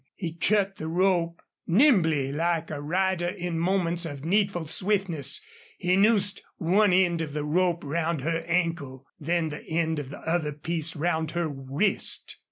He cut the rope. Nimbly, like a rider in moments of needful swiftness, he noosed one end of the rope round her ankle, then the end of the other piece round her wrist.